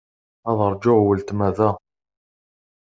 Ad ṛjuɣ weltma da.